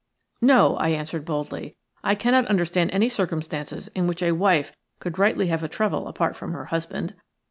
"No," I answered, boldly, "I cannot understand any circumstances in which a wife could rightly have a trouble apart from her husband."